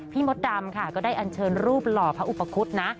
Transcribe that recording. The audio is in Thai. มดดำค่ะก็ได้อันเชิญรูปหล่อพระอุปคุฎนะ